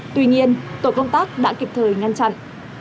tuy nhiên tổ công tác đã kịp thời ngăn chặn